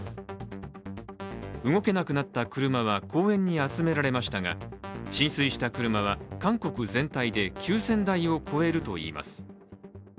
動けなくなった車は公園に集められましたが、浸水した車は韓国全体で９０００台を超えるといいます。